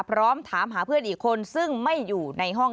พร้อมถามหาเพื่อนอีกคนซึ่งไม่อยู่ในห้อง